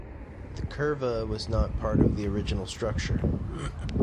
The curva was not part of the original structure.